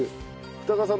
二川さん